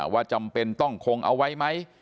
จำเป็นต้องคงเอาไว้ไหม